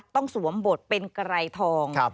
ต้องสวมบดเป็นกะไรทอง